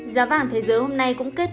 giá vàng thế giới hôm nay cũng kết thúc